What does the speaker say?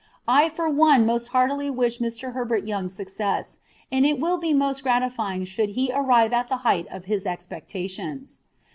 I for one most heartily wish Mr. Herbert Young success, and it will be most gratifying should he arrive at the height of his expectations.